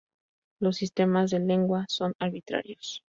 Los sistemas de lengua son arbitrarios.